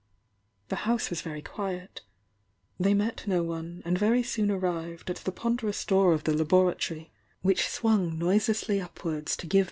The house was very quiet they met no one and very soon arrived at the non derous door of the laboratory^, which swung nobe Sed^trh^' '° t' '^'?